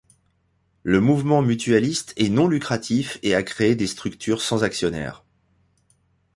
Le mouvement mutualiste est non lucratif et a créé des structures sans actionnaires.